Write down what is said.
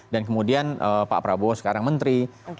dan kemudian pak prabowo sekarang menteri